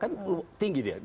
kan tinggi dia